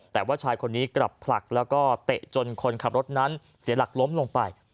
แต่ว่าชายคนนี้กลับผลักแล้วก็เตะจนคนขับรถนั้นเสียหลักล้มลงไป